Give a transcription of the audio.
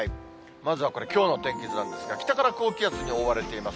まずはこれ、きょうの天気図なんですが、北から高気圧に覆われています。